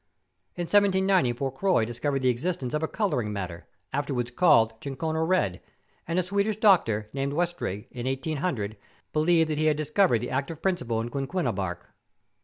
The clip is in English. In 1790 Fourcroy discovered the existence of a colouring matter, afterwards called chinchona red; and a Swedish doctor, named Westring, in 1800, believed that he had discovered the active principle in quinquina bark.